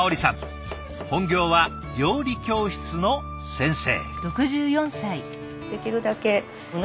本業は料理教室の先生。